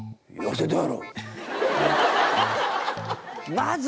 まず！